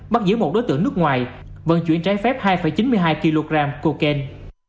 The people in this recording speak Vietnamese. bắt giữ một đối tượng nước ngoài vận chuyển trái phép hai chín mươi hai kg cocaine